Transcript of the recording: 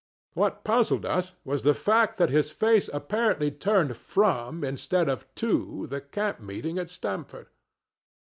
What puzzled us was the fact that his face appeared turned from, instead of to, the camp meeting at Stamford.